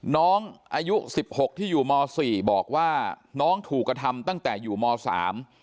น้องอายุสิบหกที่อยู่มสี่บอกว่าน้องถูกกระทำตั้งแต่อยู่มสาม